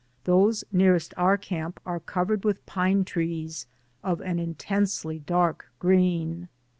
Those nearest our camp are covered with pine trees of an intensely dark green.